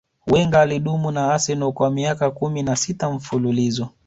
wenger alidumu na arsenal kwa miaka kumi na sita mfululizo